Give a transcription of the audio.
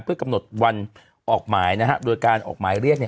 เพื่อกำหนดวันออกหมายนะฮะโดยการออกหมายเรียกเนี่ย